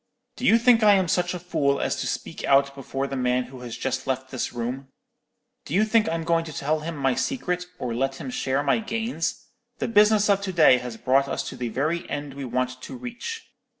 'Do you think I am such a fool as to speak out before the man who has just left this room? Do you think I'm going to tell him my secret, or let him share my gains? The business of to day has brought us to the very end we want to reach.